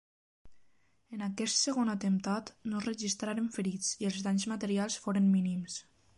En aquest segon atemptat, no es registraren ferits i els danys materials foren mínims.